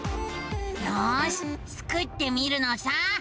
よしスクってみるのさ。